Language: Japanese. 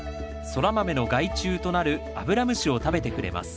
ソラマメの害虫となるアブラムシを食べてくれます。